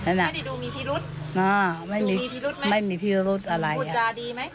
ไม่ได้ดูมีพิรุษอ่าไม่มีมีพิรุธไหมไม่มีพิรุธอะไรพูดจาดีไหม